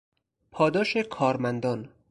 پاداش کارمندان